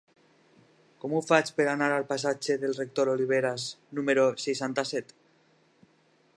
Com ho faig per anar al passatge del Rector Oliveras número seixanta-set?